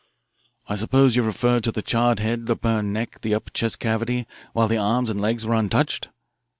"I suppose you refer to the charred head, the burned neck, the upper chest cavity, while the arms and legs were untouched?"